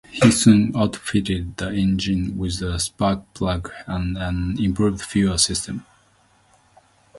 He soon outfitted the engine with a spark plug and an improved fuel system.